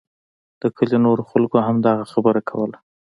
د کلي نورو خلکو هم دغه خبره کوله.